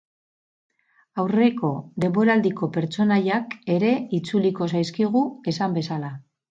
Aurreko denboraldiko pertsonaiak ere itzuliko zaizkigu, esan bezala.